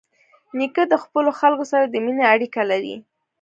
نیکه د خپلو خلکو سره د مینې اړیکه لري.